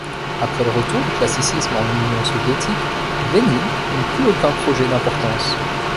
Après le retour du classicisme en Union soviétique, Vesnine n'eut plus aucun projet d'importance.